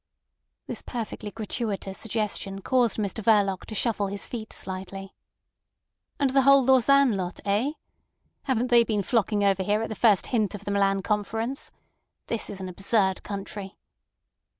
This perfectly gratuitous suggestion caused Mr Verloc to shuffle his feet slightly. "And the whole Lausanne lot—eh? Haven't they been flocking over here at the first hint of the Milan Conference? This is an absurd country."